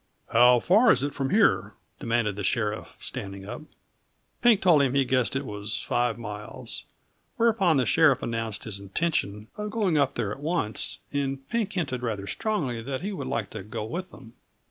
"How far is it from here?" demanded the sheriff, standing up. Pink told him he guessed it was five miles. Whereupon the sheriff announced his intention of going up there at once, and Pink hinted rather strongly that he would like to go with them.